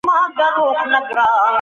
تاسو ولې دا کار نه کوئ؟